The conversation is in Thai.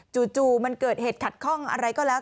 จู่มันเกิดเหตุขัดข้องอะไรก็แล้ว